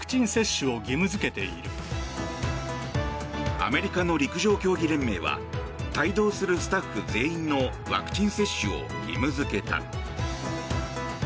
アメリカの陸上競技連盟は帯同するスタッフ全員のワクチン接種を義務付けた。